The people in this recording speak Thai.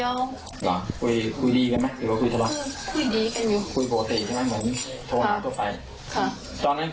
หรอคุยดีกันไหมหรือว่าคุยทราบ